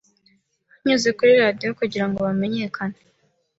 Byanyuze kuri radiyo kugira ngo bumenyekane